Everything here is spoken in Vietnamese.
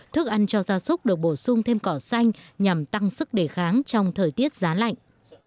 thức ăn cho gia súc được bổ sung thêm cỏ xanh nhằm tăng sức đề kháng trong thời tiết giá lạnh